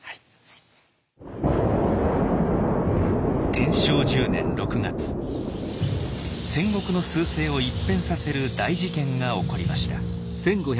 天正１０年６月戦国の趨勢を一変させる大事件が起こりました。